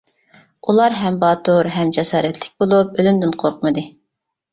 ئۇلار ھەم باتۇر، ھەم جاسارەتلىك بولۇپ، ئۆلۈمدىن قورقمىدى.